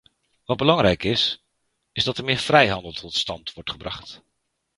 Wat belangrijk is, is dat er meer vrijhandel tot stand wordt gebracht.